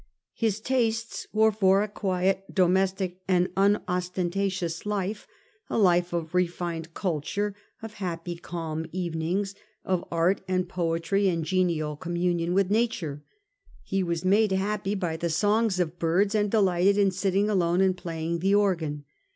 His tastes were for a quiet, domestic and unostentatious life — a life of refined culture, of happy calm evenings, of art and poetry and genial eom vol. x. L 146 A HISTORY OF OUR OWN TIMES. CD. VII. munion with Nature. He was made happy by the songs of birds, and delighted in sitting alone and playing the organ.